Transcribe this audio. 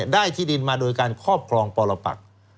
ได้ที่ดินมาโดยการครอบครองปรปัก